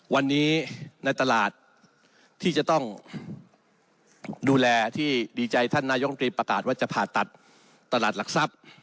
วันนี้ในตลาดที่จะต้องดูแลที่ดีใจท่านนายกรรมตรีประกาศว่าจะผ่าตัดตลาดหลักทรัพย์